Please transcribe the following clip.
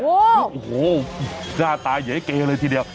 โอ้โหหน้าตาเหยเกเลยทีเดียว